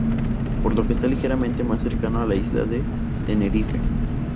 Por lo que está ligeramente más cercano a la isla de Tenerife.